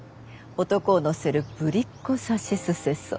男を乗せる「ぶりっ子さしすせそ」。